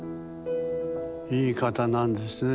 いい方なんですね。